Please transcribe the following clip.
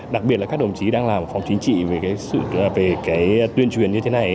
đặc biệt là các đồng chí đang làm phóng chính trị về tuyên truyền như thế này